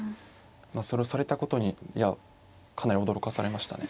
それをされたことにいやかなり驚かされましたね。